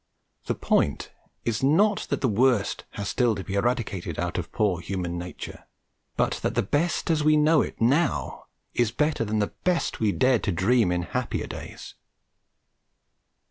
The point is not that the worst has still to be eradicated out of poor human nature, but that the best as we know it now is better than the best we dared to dream in happier days.